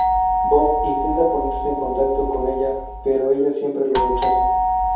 Bob intenta ponerse en contacto con ella, pero ella siempre lo rechaza.